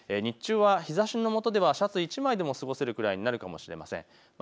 日中は日ざしのもとではシャツ１枚でも過ごせるかもしれません。